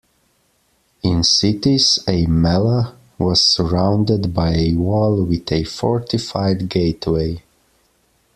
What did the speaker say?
In cities, a "mellah" was surrounded by a wall with a fortified gateway.